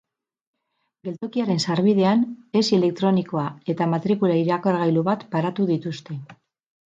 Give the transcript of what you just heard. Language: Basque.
Geltokiaren sarbidean hesi elektronikoa eta matrikula irakurgailu bat paratu dituzte.